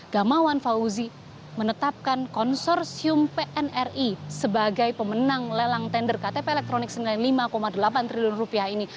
gamawan fauzi menetapkan konsorsium pnri sebagai pemenang lelang tender ktp elektronik rp sembilan puluh lima delapan triliun ini